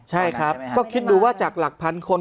ใช่ครับก็คิดดูว่าจากหลักพันคน